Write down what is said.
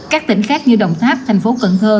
các tỉnh khác như đồng tháp tp cn